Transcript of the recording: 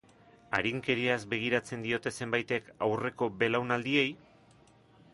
Arinkeriaz begiratzen diote zenbaitek aurreko belaunaldiei?